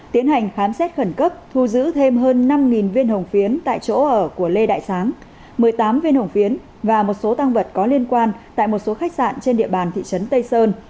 tiến hành khám xét khẩn cấp thu giữ thêm hơn năm viên hồng phiến tại chỗ ở của lê đại sáng một mươi tám viên hồng phiến và một số tăng vật có liên quan tại một số khách sạn trên địa bàn thị trấn tây sơn